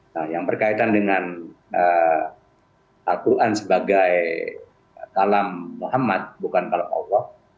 nah yang berkaitan dengan al quran sebagai kalam muhammad bukan kalam allah